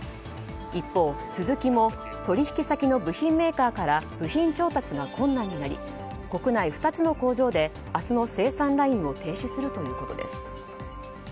一方、スズキも取引先の部品メーカーから部品調達が困難になり国内２つの工場で明日の生産ラインを停止するということです。